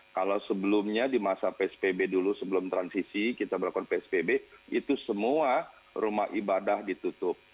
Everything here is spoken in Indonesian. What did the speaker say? kalau sebelumnya di masa psbb dulu sebelum transisi kita berlakukan psbb itu semua rumah ibadah ditutup